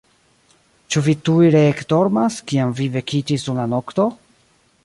Ĉu vi tuj reekdormas, kiam vi vekiĝis dum la nokto?